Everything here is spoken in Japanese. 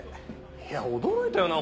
いや驚いたよな